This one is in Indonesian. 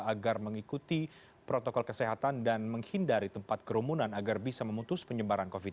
agar mengikuti protokol kesehatan dan menghindari tempat kerumunan agar bisa memutus penyebaran covid sembilan belas